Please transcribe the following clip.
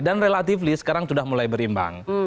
dan relatively sekarang sudah mulai berimbang